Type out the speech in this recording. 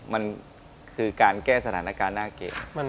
มันคือการแก้สถานการณ์น่าเกรด